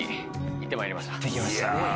行ってきましたね